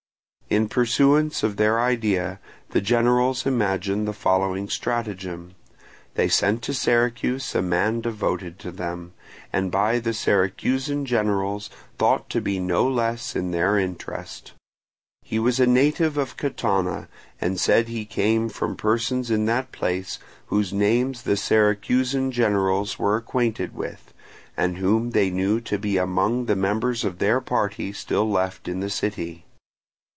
In pursuance of their idea, the generals imagined the following stratagem. They sent to Syracuse a man devoted to them, and by the Syracusan generals thought to be no less in their interest; he was a native of Catana, and said he came from persons in that place, whose names the Syracusan generals were acquainted with, and whom they knew to be among the members of their party still left in the city.